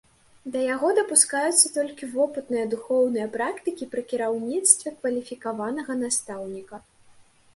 Да яго дапускаюцца толькі вопытныя духоўныя практыкі пры кіраўніцтве кваліфікаванага настаўніка.